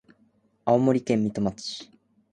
青森県三戸町